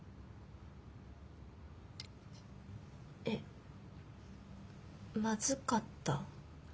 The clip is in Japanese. えっまずかった？